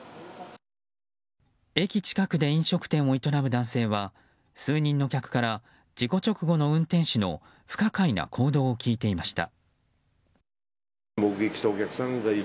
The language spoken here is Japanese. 駅近くで飲食店を営む男性は数人の客から事故直後の運転手の不可解な行動を聞いていました。